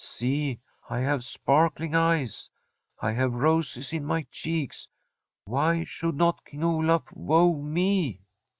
See, I have sparkling eyes; I have roses in my cheeks. Why should not King Olaf woo me